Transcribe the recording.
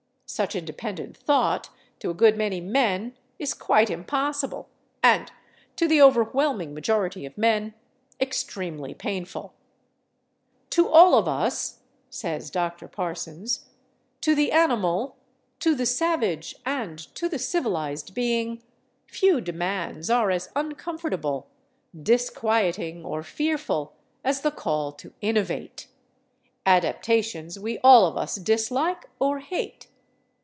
Such independent thought, to a good many men, is quite impossible, and to the overwhelming majority of men, extremely painful. "To all of us," says Dr. Parsons, "to the animal, to the savage and to the civilized being, few demands are as uncomfortable, ... disquieting or fearful, as the call to innovate.... Adaptations we all of us dislike or hate.